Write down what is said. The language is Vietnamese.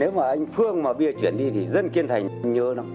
nếu mà anh phương mà bia chuyển đi thì dân kiên thành nhớ lắm